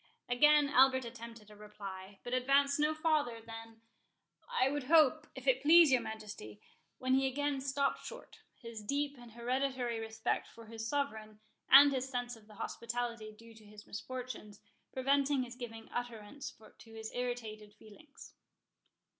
Again Albert attempted a reply, but advanced no farther than, "I would hope, if it please your Majesty"—when he again stopped short, his deep and hereditary respect for his sovereign, and his sense of the hospitality due to his misfortunes, preventing his giving utterance to his irritated feelings.